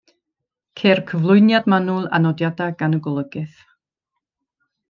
Ceir cyflwyniad manwl a nodiadau gan y golygydd.